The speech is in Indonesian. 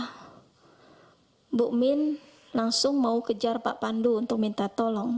ibu min langsung mau kejar pak pandu untuk minta tolong